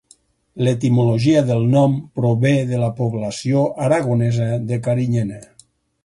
L'etimologia del nom prové de la població aragonesa de Carinyena.